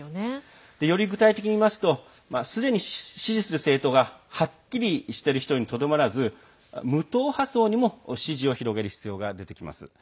より具体的に言いますとすでに支持する政党がはっきりしている人にとどまらず無党派層にも支持を広げる必要が出てきます。